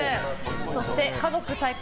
そして、家族対抗！